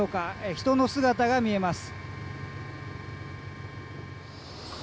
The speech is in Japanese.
人の姿が見えます。